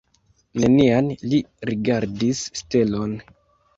Neniam li rigardis stelon.